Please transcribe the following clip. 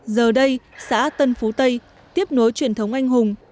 giờ đây xã tân phú tây tiếp nối truyền thống anh hùng